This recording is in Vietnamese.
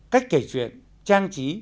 cách kể chuyện trang trí